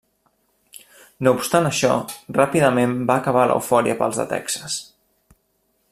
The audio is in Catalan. No obstant això, ràpidament va acabar l'eufòria pels de Texas.